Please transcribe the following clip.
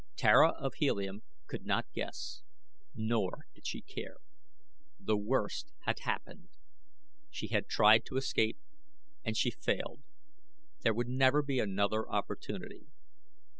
Tara of Helium could not guess, nor did she care. The worst had happened. She had tried to escape and she had failed. There would never be another opportunity.